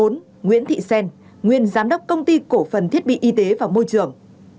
bốn nguyễn thị xen nguyên giám đốc công ty cổ phần thiết bị y tế và môi trường